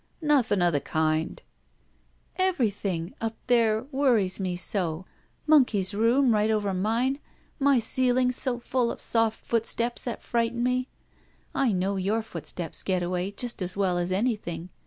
"Nothing of the kind!" "Everything — ^up there— worries me so! Mon key's room right over mine. My ceiling so full of ii8 THE VERTICAL CITY soft fcx^tsteps that frighten me. I know your footsteps, Getaway, just as well as anjrthing.